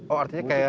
oh artinya kayak